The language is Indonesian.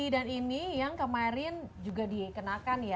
dan ini yang kemarin juga dikenakan ya